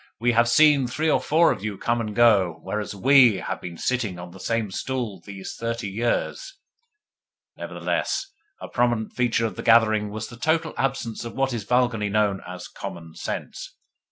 We have seen three or four of you come and go, whereas WE have been sitting on the same stools these thirty years." Nevertheless a prominent feature of the gathering was the total absence of what is vulgarly known as "common sense."